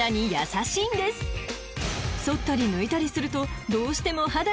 ［そったり抜いたりするとどうしても肌を痛めがち。